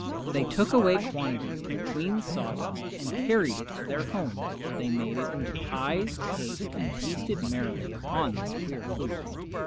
They took away quantities of the Queen's sawdust and carried it to their homes, where they made it into pies and cakes and feasted merrily upon this queer food.